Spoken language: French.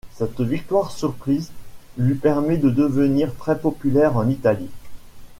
Cette victoire surprise lui permet de devenir très populaire en Italie.